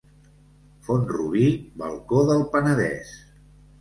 Font-rubí, balcó del Penedès.